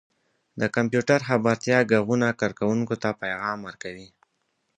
• د کمپیوټر خبرتیا ږغونه کاروونکو ته پیغام ورکوي.